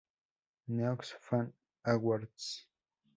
Neox Fan Awards